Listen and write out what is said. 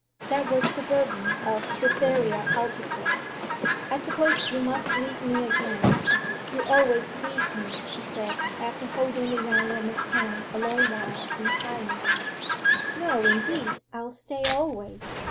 That was the burden of Cytherea Aldclyffe. 'I suppose you must leave me again you always leave me,' she said, after holding the young woman's hand a long while in silence. 'No indeed I'll stay always.